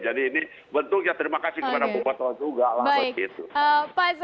jadi ini bentuknya terima kasih kepada bapak toh juga lah